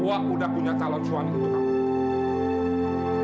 aku sudah punya calon suami untukmu